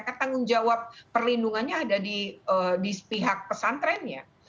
karena tanggung jawab perlindungannya ada di pihak pesantrennya